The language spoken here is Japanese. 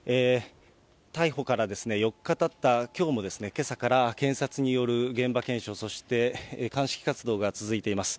逮捕から４日たったきょうも、けさから警察による現場検証、そして鑑識活動が続いています。